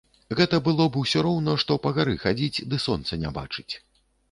Гэта было б усё роўна, што па гары хадзіць, ды сонца не бачыць.